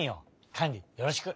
カンリよろしく！